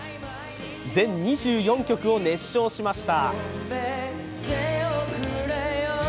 全２４曲を熱唱しました。